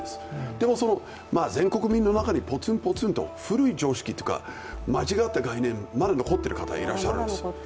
でも、全国民の中にぽつん、ぽつんと古い常識というか間違った概念の人がまだ残っている方がいらっしゃるんです。